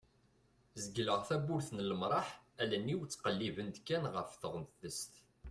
zegreɣ tawwurt n lemraḥ allen-iw ttqellibent kan ɣef teɣtest